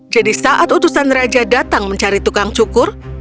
jadi saat utusan raja datang mencari tukang cukur